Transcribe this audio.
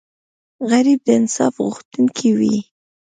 غریب د انصاف غوښتونکی وي